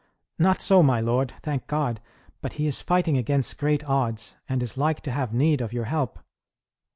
"Not so, my lord, thank God; but he is fighting against great odds, and is like to have need of your help."